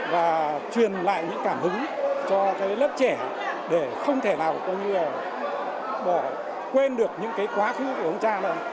và truyền lại những cảm hứng cho cái lớp trẻ để không thể nào quên được những cái quá khứ của ông cha này